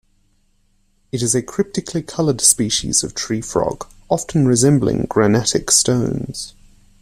It is a cryptically colored species of tree frog, often resembling granitic stones.